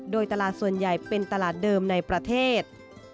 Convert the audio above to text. โดยตลาดส่วนใหญ่เป็นตลาดเดิมในประเทศ